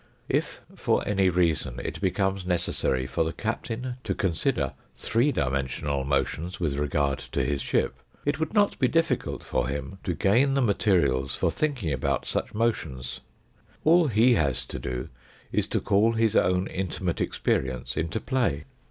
If for any reason it became necessary for the captain to consider three dimensional motions with regard to his ship, it would not be difficult for him to gain the materials for thinking about such motions ; all he has to do is to call his own intimate experience into play.